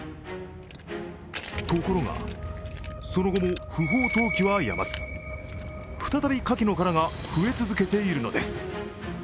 ところが、その後も不法投棄はやまず再びカキの殻が増え続けているのです。